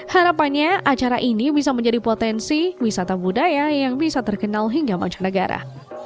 harapannya acara ini bisa menjadi potensi wisata budaya yang bisa terkenal hingga mancanegara